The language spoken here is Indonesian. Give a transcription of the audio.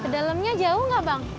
ke dalamnya jauh nggak bang